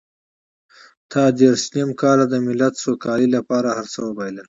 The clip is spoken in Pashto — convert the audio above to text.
تا دېرش نيم کاله د ملت سوکالۍ لپاره هر څه وبایلل.